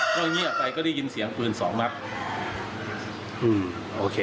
ก็เงียบไปก็ได้ยินเสียงปืน๒มัตต์